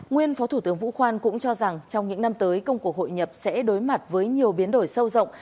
nguyên phó thủ tướng vũ khoan cũng cho rằng trong những năm tới công cuộc hội nhập sẽ đối mặt với nhiều biến đổi sâu rộng